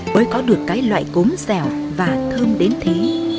mới có được cái loại cốm dẻo và thơm đến thế